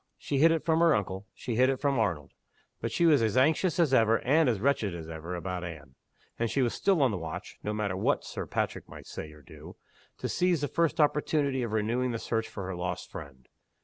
She hid it from her uncle, she hid it from Arnold but she was as anxious as ever, and as wretched as ever, about Anne; and she was still on the watch (no matter what Sir Patrick might say or do) to seize the first opportunity of renewing the search for her lost friend.